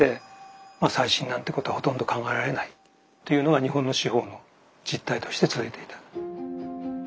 再審なんてことはほとんど考えられないというのが日本の司法の実態として続いていた。